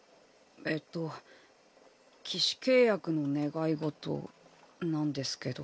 えっと騎士契約の願い事なんですけど。